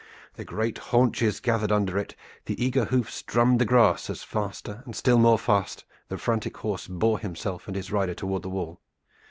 The great haunches gathered under it, the eager hoofs drummed the grass, as faster and still more fast the frantic horse bore himself and his rider toward the wall.